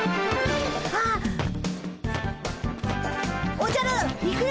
おじゃるいくよ！